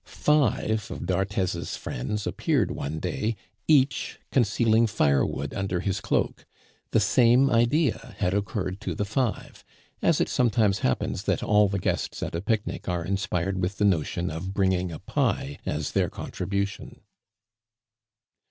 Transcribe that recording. Five of d'Arthez's friends appeared one day, each concealing firewood under his cloak; the same idea had occurred to the five, as it sometimes happens that all the guests at a picnic are inspired with the notion of bringing a pie as their contribution.